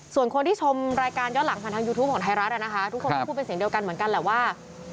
ส่วนคนที่ชมรายการย้อนหลังผ่านทางยูทูปของไทยรัฐนะคะทุกคนก็พูดเป็นเสียงเดียวกันเหมือนกันแหละว่า